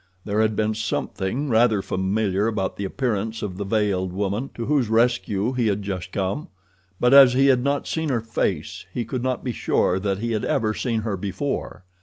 There had been something rather familiar about the appearance of the veiled woman to whose rescue he had just come, but as he had not seen her face he could not be sure that he had ever seen her before.